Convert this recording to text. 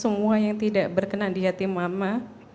semua yang tidak berkenan di hati mama